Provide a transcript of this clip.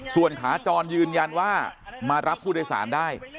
ส่วนขาจรยืนยันว่ามารับผู้โดยสารได้